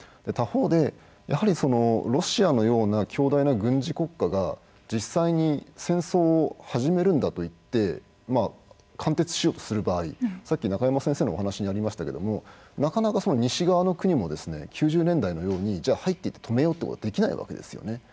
他方でやはりロシアのような強大な軍事国家が実際に戦争を始めるんだと言って貫徹しようとする場合さっき中山先生のお話にありましたけれどもなかなかその西側の国も９０年代のように入っていって止めようということができないわけですよね。